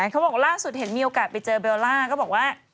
เขาบอกล่าสุดเห็นมีโอกาสไปเจอเบลล่าก็บอกว่า